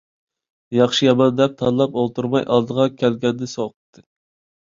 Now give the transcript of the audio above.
ياخشى - يامان دەپ تاللاپ ئولتۇرماي ئالدىغا كەلگەننى سوقتى.